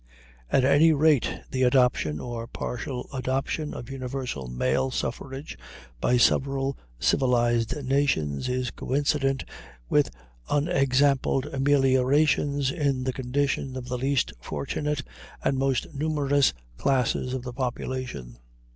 At any rate, the adoption or partial adoption of universal male suffrage by several civilized nations is coincident with unexampled ameliorations in the condition of the least fortunate and most numerous classes of the population.